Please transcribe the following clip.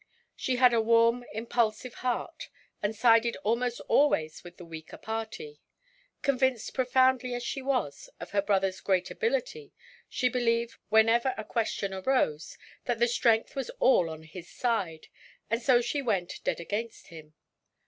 She had a warm, impulsive heart, and sided almost always with the weaker party. Convinced profoundly, as she was, of her brotherʼs great ability, she believed, whenever a question arose, that the strength was all on his side, and so she went "dead against him".